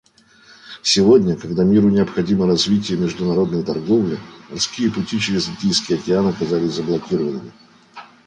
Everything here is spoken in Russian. Сегодня, когда миру необходимо развитие международной торговли, морские пути через Индийский океан оказались заблокированными.